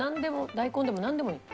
大根でもなんでもいいの？